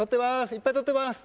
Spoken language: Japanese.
いっぱい撮ってます！